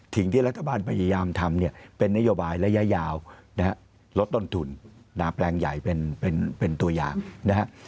สิ่งที่รัฐบาลพยายามทำเนี่ยเป็นนโยบายระยะยาวนะฮะลดต้นทุนแปลงใหญ่เป็นตัวอย่างนะฮะ